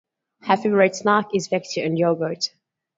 Her favourite snack is Vector and yogurt.